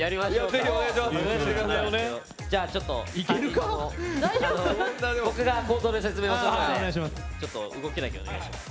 じゃあ、僕が口頭で説明するので動きだけお願いします。